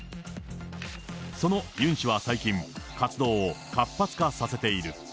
そのユン氏は最近、活動を活発化させている。